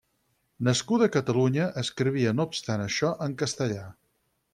Nascuda a Catalunya, escrivia no obstant això en castellà.